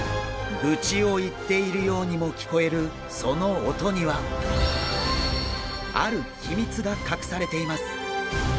グチを言っているようにも聞こえるその音にはある秘密が隠されています！